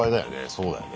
そうだよね。